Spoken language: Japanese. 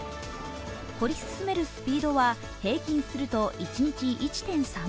掘り進めるスピードは平均すると一日１．３ｍ。